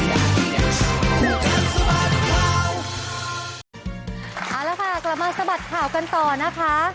เอาละค่ะกลับมาสะบัดข่าวกันต่อนะคะ